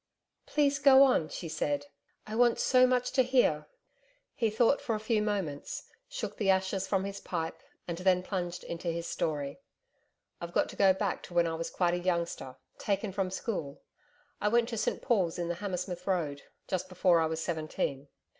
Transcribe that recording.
'Please go on,' she said, 'I want so much to hear.' He thought for a few moments, shook the ashes from his pipe and then plunged into his story. 'I've got to go back to when I was quite a youngster taken from school I went to St Paul's in the Hammersmith Road just before I was seventeen.